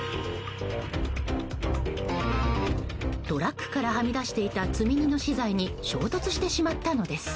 トラックからはみ出していた積み荷の資材に衝突してしまったのです。